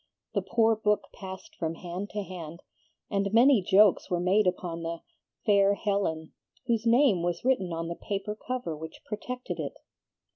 The poor book passed from hand to hand, and many jokes were made upon the 'fair Helen' whose name was written on the paper cover which projected it.